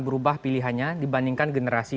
berubah pilihannya dibandingkan generasi